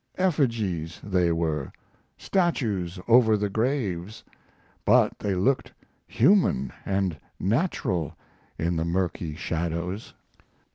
Effigies they were statues over the graves; but they looked human and natural in the murky shadows.